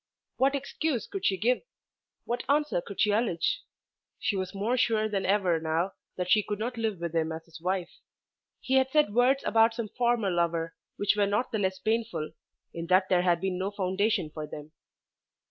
What excuse could she give? What answer could she allege? She was more sure than ever now that she could not live with him as his wife. He had said words about some former lover which were not the less painful, in that there had been no foundation for them.